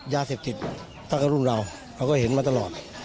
ยาเสพติดตั้งแต่รุ่นเราเราก็เห็นมาตลอด